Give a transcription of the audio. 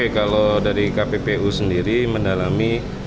kalau dari kppu sendiri mendalami